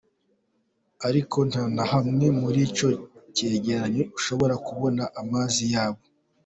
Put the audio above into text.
Ariko nta na hamwe muri ico cegeranyo ushobora kubona amazi yabo.